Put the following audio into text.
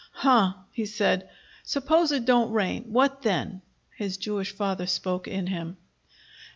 "Huh!" he said. "Suppose it don't rain. What then?" His Jewish father spoke in him.